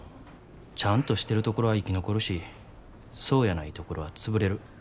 ちゃんとしてるところは生き残るしそうやないところは潰れる。